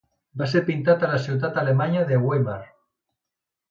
Va ser pintat a la ciutat alemanya de Weimar.